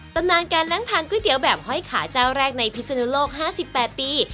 ตำนานการนั่งทานก๋วยเตี๋ยวแบบห้อยขาเจ้าแรกในพิศนุโลก๕๘ปี